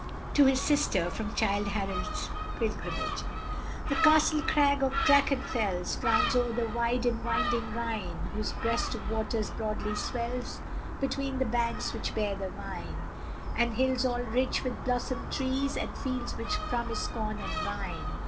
TO HIS SISTER From 'Childe Harold's Pilgrimage' The castled crag of Drachenfels Frowns o'er the wide and winding Rhine, Whose breast of waters broadly swells Between the banks which bear the vine; And hills all rich with blossomed trees, And fields which promise corn and wine.